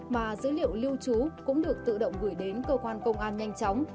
mà dữ liệu lưu trú cũng được tự động gửi đến cơ quan công an nhanh chóng